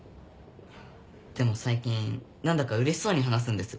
でも最近何だかうれしそうに話すんです。